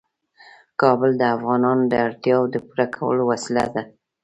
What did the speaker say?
کابل د افغانانو د اړتیاوو د پوره کولو وسیله ده.